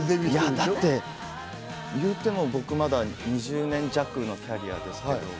だって言うても僕、２０年弱のキャリアですから。